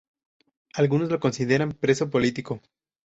Algunos lo consideran preso político.